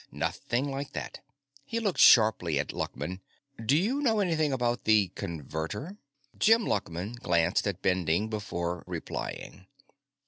Nothing like that." He looked sharply at Luckman. "Do you know anything about the Converter?" Jim Luckman glanced at Bending before replying.